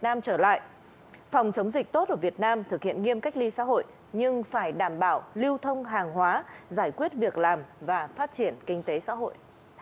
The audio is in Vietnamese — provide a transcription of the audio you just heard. việt nam trở lại phòng chống dịch tốt ở việt nam thực hiện nghiêm cách ly xã hội nhưng phải đảm bảo lưu thông hàng hóa giải quyết việc làm và phát triển kinh tế xã hội